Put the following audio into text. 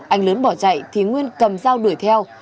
anh lớn bỏ chạy thì nguyên cầm dao đuổi theo